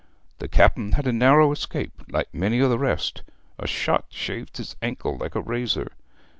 ... The Cap'n had a narrow escape, like many o' the rest a shot shaved his ankle like a razor.